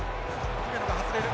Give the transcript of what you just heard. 姫野が外れる。